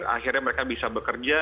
akhirnya mereka bisa bekerja